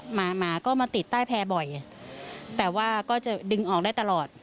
หมาหมาก็มาติดใต้แพร่บ่อยแต่ว่าก็จะดึงออกได้ตลอด